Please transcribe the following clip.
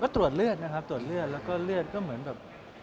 ก็ตรวจเลือดนะครับตรวจเลือดแล้วก็เลือดก็เหมือนแบบ